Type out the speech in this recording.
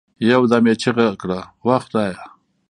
يو دم يې چيغه كړه وه خدايه!